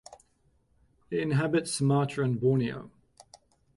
It inhabits Sumatra and Borneo.